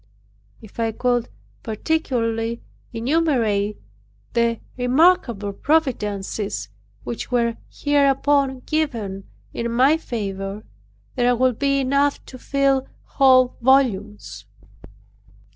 If I could particularly enumerate the remarkable providences which were hereupon given in my favor there would be enough to fill whole volumes.